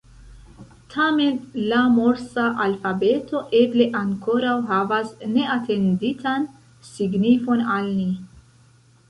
Tamen la morsa alfabeto eble ankoraŭ havas neatenditan signifon al ni.